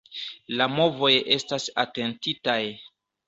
La movoj estas atentitaj.